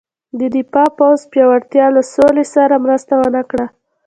د دفاع پوځ پیاوړتیا له سولې سره مرسته ونه کړه.